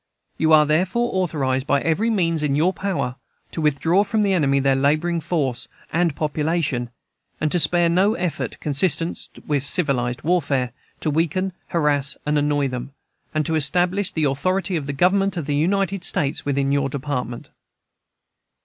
You are therefore authorized by every means in your power, to withdraw from the enemy their laboring force and population, and to spare no effort, consistent with civilized warfare, to weaken, harass, and annoy them, and to establish the authority of the Government of the United States within your Department.